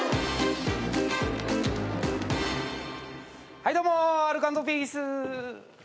はいどうもアルコ＆ピース。